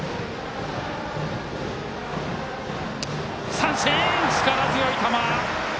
三振、力強い球。